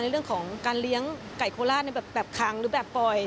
เรื่องของการเลี้ยงไก่โคราชในแบบคังหรือแบบปล่อย